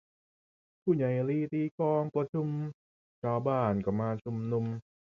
ผู้ใหญ่ลีตีกลองประชุม ชาวบ้านก็มาชุมนุม